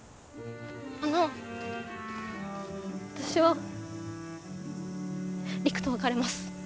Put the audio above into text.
あの私は陸と別れます。